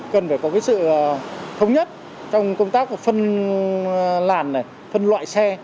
cần phải có cái sự thống nhất trong công tác phân làn này phân loại xe